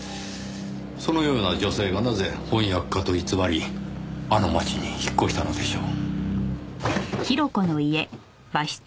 そのような女性がなぜ翻訳家と偽りあの街に引っ越したのでしょう？